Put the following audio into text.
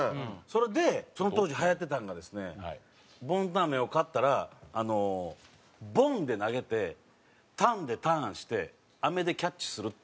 それでその当時流行ってたのがですねボンタンアメを買ったらあの「ボン」で投げて「タン」でターンして「アメ」でキャッチするっていう。